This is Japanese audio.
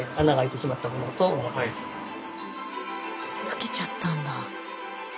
溶けちゃったんだ。